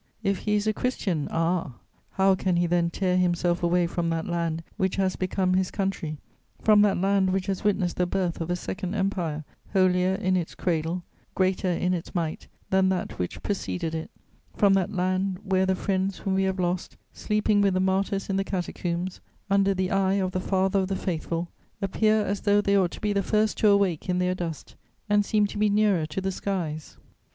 If he is a Christian, ah! how can he then tear himself away from that land which has become his country, from that land which has witnessed the birth of a second empire, holier in its cradle, greater in its might than that which preceded it, from that land where the friends whom we have lost, sleeping with the martyrs in the catacombs, under the eye of the Father of the Faithful, appear as though they ought to be the first to awake in their dust and seem to be nearer to the skies?"